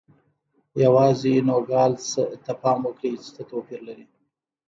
یوازې نوګالس ته پام وکړئ چې څه توپیر لري.